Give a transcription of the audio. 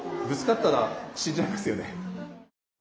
ぶつかったら死んじゃいますよね。